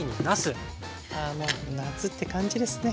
あもう夏って感じですね。